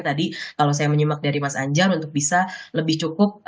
tadi kalau saya menyimak dari mas anjar untuk bisa lebih cukup